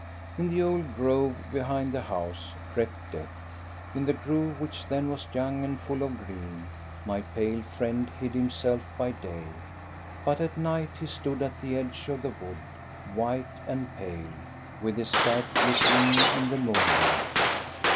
Into the old grove behind the house, crept Death. In the grove, which then was young and full of green, my pale friend hid himself by day, but at night he stood at the edge of the wood, white and pale, with his scythe glittering in the moonlight.